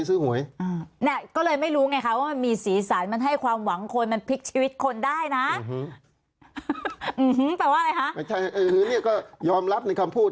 อื้อฮืออื้อฮือแปลว่าอะไรคะไม่ใช่อื้อนี่ก็ยอมรับในคำพูด